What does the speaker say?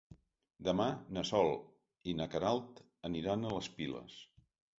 Demà na Sol i na Queralt aniran a les Piles.